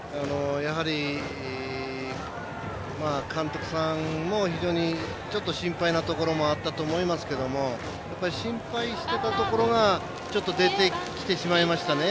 やはり監督さんも非常に心配なところもあったと思いますけど心配してたところがちょっと出てきてしまいましたね。